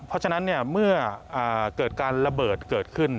เพราะฉะนั้นเมื่อเกิดการระเบิดเกิดขึ้น